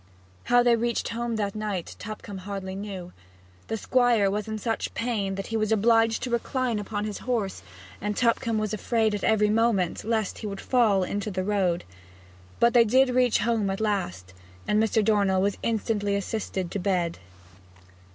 How they reached home that night Tupcombe hardly knew. The Squire was in such pain that he was obliged to recline upon his horse, and Tupcombe was afraid every moment lest he would fall into the road. But they did reach home at last, and Mr. Dornell was instantly assisted to bed.